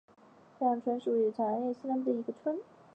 大桑村是位于长野县西南部的一村。